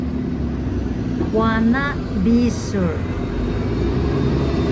wana bisur